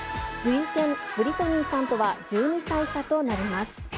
ブリトニーさんとは１２歳差となります。